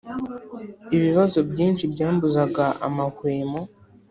ibibazo byinshi byambuzaga amahwemo